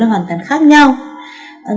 người lớn là hoàn toàn khác nhau